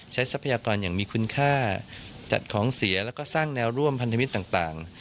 ทรัพยากรอย่างมีคุณค่าจัดของเสียแล้วก็สร้างแนวร่วมพันธมิตรต่าง